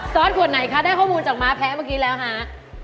ซอสกวดไหนคะได้ข้อมูลมาแพ้เมื่อกี้แล้วคะ